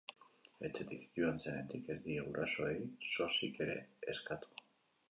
Etxetik joan zenetik ez die gurasoei sosik ere eskatu.